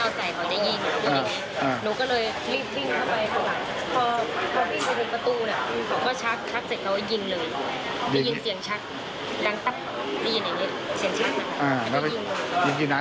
อ่าแล้วไปยิงกี่นัด